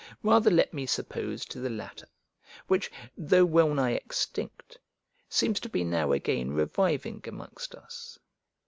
Rather let me suppose to the latter, which, though well nigh extinct, seems to be now again reviving amongst us.